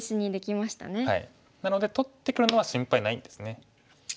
なので取ってくるのは心配ないですね。